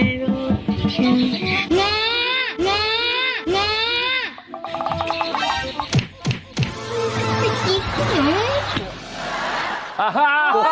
เนอเนอเนอ